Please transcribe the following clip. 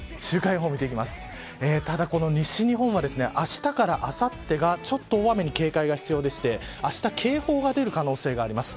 西日本は、明日からあさってがちょっと大雨に警戒が必要でしてあした警報が出る可能性があります。